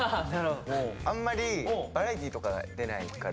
あんまりバラエティーとか出ないから。